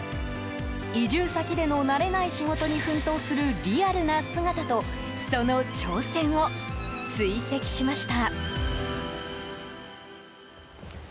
移住先での慣れない仕事に奮闘するリアルな姿とその挑戦を追跡しました。